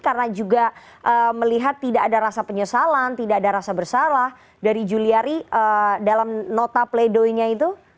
karena juga melihat tidak ada rasa penyesalan tidak ada rasa bersalah dari juliari dalam nota play doh nya itu